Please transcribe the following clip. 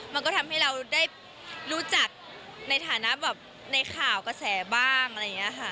มันก็ทำให้เราได้รู้จักในฐานะแบบในข่าวกระแสบ้างอะไรอย่างนี้ค่ะ